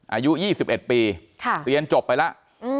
อายุ๒๑ปีเรียนจบไปแล้ว